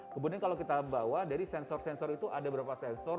kemudian kalau kita bawa dari sensor sensor itu ada berapa sensor